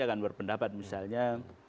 akan berpendapat misalnya